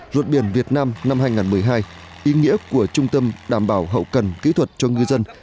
luật biển việt nam năm hai nghìn một mươi hai ý nghĩa của trung tâm đảm bảo hậu cần kỹ thuật cho ngư dân